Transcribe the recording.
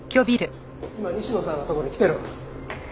今西野さんのところに来てる。